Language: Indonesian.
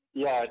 ya ini memang